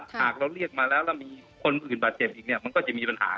หากเราเรียกมาแล้วแล้วมีคนอื่นบาดเจ็บอีกเนี่ยมันก็จะมีปัญหา